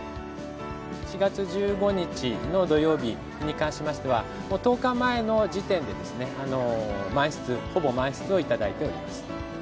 ４月１５日の土曜日に関しましては、１０日前の時点で満室、ほぼ満室を頂いております。